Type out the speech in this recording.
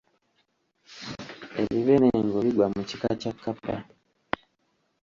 Ebibe n'engo bigwa mu kika kya kkapa.